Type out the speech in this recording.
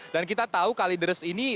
dan kita tahu kalideres ini